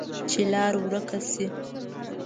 چې لار ورکه شي،